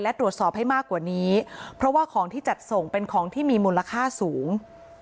และตรวจสอบให้มากกว่านี้เพราะว่าของที่จัดส่งเป็นของที่มีมูลค่าสูง